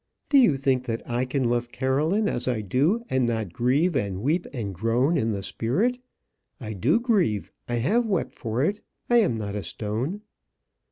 Do you think that I can love Caroline as I do, and not grieve, and weep, and groan in the spirit? I do grieve; I have wept for it. I am not stone."